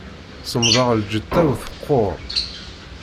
Semmḍeɣ lǧetta-w teqqur.